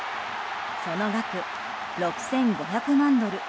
その額、６５００万ドル。